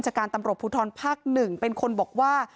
บิจารย์การตำลวจภูทรภาคหนึ่งเป็นคนบอกว่า